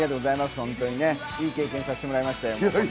ほんとにね、いい経験させてもらいましたよ。